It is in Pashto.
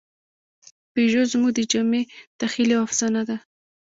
پيژو زموږ د جمعي تخیل یوه افسانه ده.